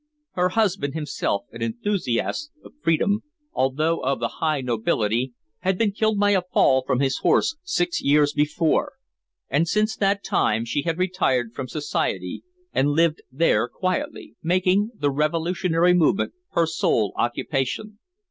Her husband, himself an enthusiast of freedom, although of the high nobility, had been killed by a fall from his horse six years before, and since that time she had retired from society and lived there quietly, making the revolutionary movement her sole occupation.